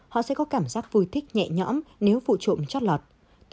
họ sẽ có cảm giác vui thích nhẹ nhõm nếu vụ trộm chót lọt